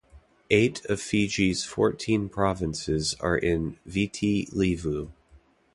Eight of Fiji's fourteen Provinces are in Viti Levu.